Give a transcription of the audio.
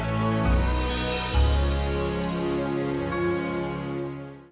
aku mau ke rumah sakit